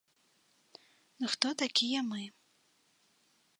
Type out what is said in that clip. Ну хто такія мы.